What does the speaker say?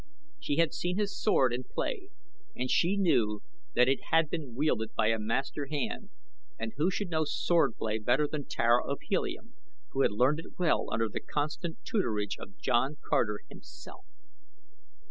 She had seen his sword in play and she knew that it had been wielded by a master hand, and who should know swordplay better than Tara of Helium, who had learned it well under the constant tutorage of John Carter himself.